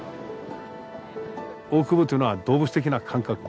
大久保というのは動物的な感覚。